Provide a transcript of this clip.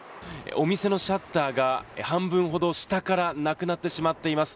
お店のシャッターが半分ほど下からなくなってしまっています。